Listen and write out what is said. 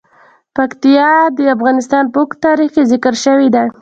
پکتیا د افغانستان په اوږده تاریخ کې ذکر شوی دی.